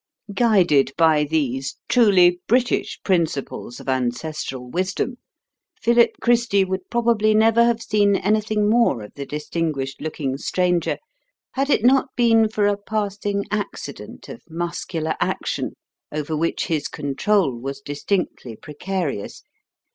Guided by these truly British principles of ancestral wisdom, Philip Christy would probably never have seen anything more of the distinguished looking stranger had it not been for a passing accident of muscular action, over which his control was distinctly precarious.